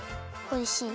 おいしい。